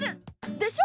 でしょ？